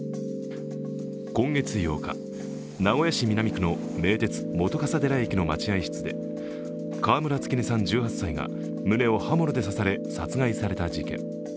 今月８日、名古屋市南区の名鉄本笠寺駅の待合室で川村月音さん１８歳が胸を刃物で刺され殺害された事件。